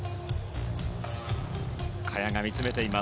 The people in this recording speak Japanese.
萱が見つめています。